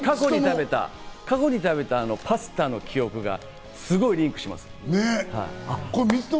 過去に食べたパスタの記憶がすごいリンクします。